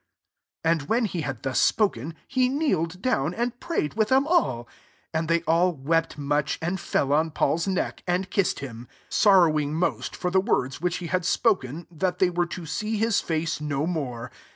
" 36 And when he had tl spoken, he kneeled down, prayed with them all. 37 they all wept much, and fdl Paul's neck, and kissed him; 38 sorrowing most for tlM words which he had s^ that they were to see his no more.